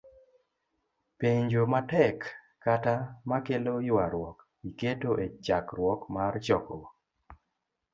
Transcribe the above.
Penjo ma tek, kata ma kelo ywaruok, iketo e chakruok mar chokruok